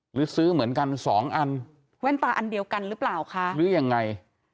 หรือซื้อเหมือนกันสองอันแว่นตาอันเดียวกันหรือเปล่าคะหรือยังไง